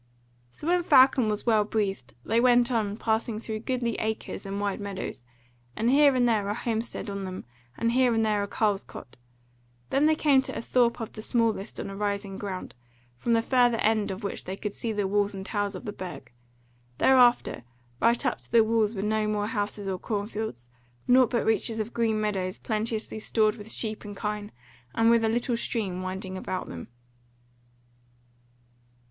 So, when Falcon was well breathed, they went on, passing through goodly acres and wide meadows, with here and there a homestead on them, and here and there a carle's cot. Then came they to a thorp of the smallest on a rising ground, from the further end of which they could see the walls and towers of the Burg. Thereafter right up to the walls were no more houses or cornfields, nought but reaches of green meadows plenteously stored with sheep and kine, and with a little stream winding about them.